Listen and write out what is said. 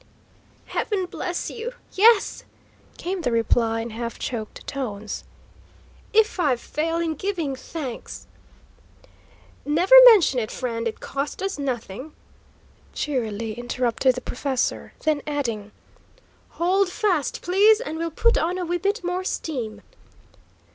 "Heaven bless you, yes!" came the reply, in half choked tones. "If I fail in giving thanks " "Never mention it, friend; it cost us nothing," cheerily interrupted the professor, then adding, "Hold fast, please, and we'll put on a wee bit more steam."